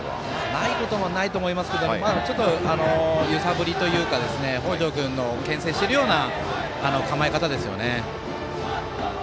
ないこともないと思いますけどちょっと揺さぶりというか北條君をけん制しているような構え方ですよね。